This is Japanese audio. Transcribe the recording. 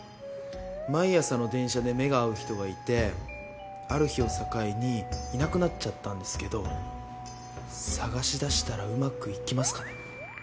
毎朝の電車で目が合う人がいてある日を境にいなくなっちゃったんですけど捜し出したらうまくいきますかね？